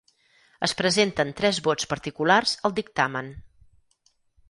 Es presenten tres vots particulars al Dictamen.